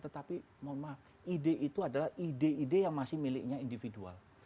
tetapi mohon maaf ide itu adalah ide ide yang masih miliknya individual